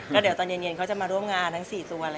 ก็เดี๋ยวตอนเย็นเขาจะมาร่วมงานทั้ง๔ตัว